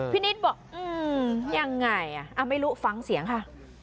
พี่นิดบอกอย่างไรไม่รู้ฟังเสียงค่ะ